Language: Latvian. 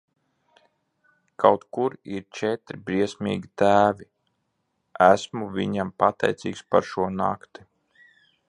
Kaut kur ir četri briesmīgi tēvi, esmu viņiem pateicīgs par šo nakti.